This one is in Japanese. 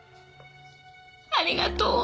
ありがとう。